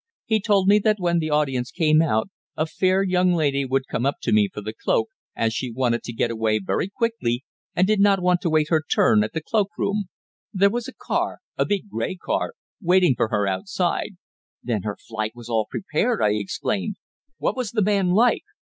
He told me that when the audience came out a fair young lady would come up to me for the cloak, as she wanted to get away very quickly, and did not want to wait her turn at the cloak room. There was a car a big grey car waiting for her outside." "Then her flight was all prepared!" I exclaimed. "What was the man like?"